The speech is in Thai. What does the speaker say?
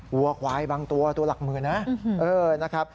วัวควายบางตัวตัวหลักหมื่นนะนะครับ